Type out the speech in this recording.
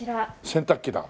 洗濯機だ。